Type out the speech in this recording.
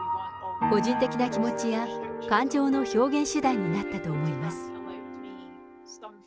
個人的な気持ちや、感情の表現手段になったと思います。